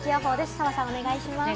澤さん、お願いします。